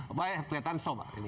apa ya kelihatan sok